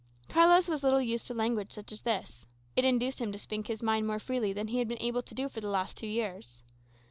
Carlos was little used to language such as this. It induced him to speak his mind more freely than he had been able to do for the last two years.